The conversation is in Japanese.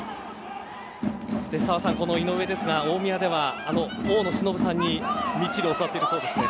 そして澤さん井上ですが、大宮では大野忍さんにみっちり教わっているそうですね。